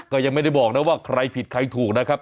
ก็ยังไม่ได้บอกนะว่าใครผิดใครถูกนะครับ